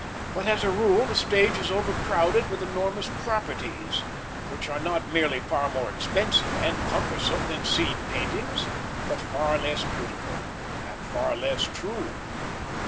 But as a rule the stage is overcrowded with enormous properties, which are not merely far more expensive and cumbersome than scene paintings, but far less beautiful, and far less true.